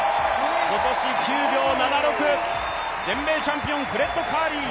今年９秒７６、全米チャンピオン、フレッド・カーリー。